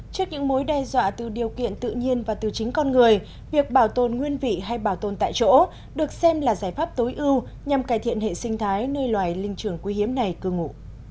trước những mối đe dọa từ điều kiện tự nhiên và từ chính con người việc bảo tồn nguyên vị hay bảo tồn tại chỗ được xem là giải pháp tối ưu nhằm cải thiện hệ sinh thái nơi loài linh trường quý hiếm này cư ngụ